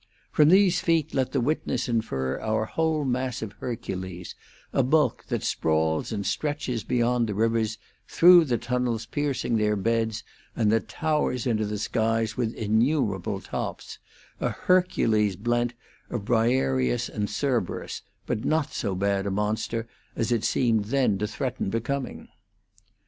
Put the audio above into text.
From these feet let the witness infer our whole massive Hercules, a bulk that sprawls and stretches beyond the rivers through the tunnels piercing their beds and that towers into the skies with innumerable tops a Hercules blent of Briareus and Cerberus, but not so bad a monster as it seemed then to threaten becoming.